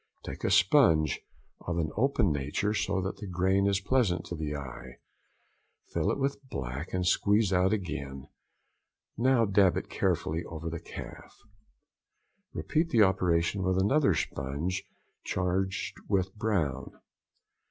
Take a sponge of an open nature, so that the grain is pleasant to the eye; fill it with black and squeeze out again, now dab it carefully over the calf. Repeat the operation with another sponge charged with brown.